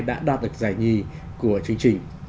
đã đạt được giải nhì của chương trình